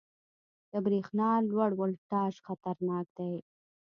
• د برېښنا لوړ ولټاژ خطرناک دی.